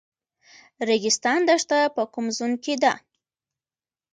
ریګستان دښته په کوم زون کې ده؟